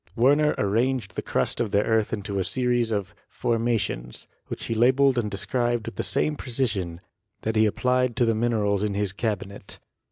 Werner arranged the crust of the earth into a series of "formations," which he labeled and de scribed with the same precision that he applied to the min erals in his cabinet.